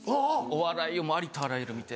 お笑いをもうありとあらゆる見て。